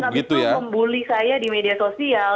dan banyak juga yang habis membuli saya di media sosial